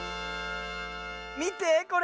みてこれ。